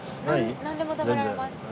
なんでも食べられます。